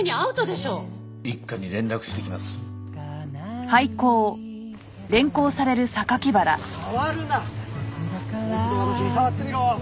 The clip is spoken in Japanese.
もう一度私に触ってみろ！